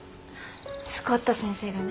スコット先生がね